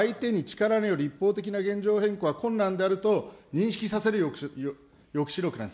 抑止力は何かというと、相手に力による一方的な現状変更は困難であると認識させる抑止力なんです。